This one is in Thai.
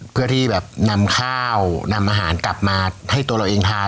เพื่อที่แบบนำข้าวนำอาหารกลับมาให้ตัวเราเองทาน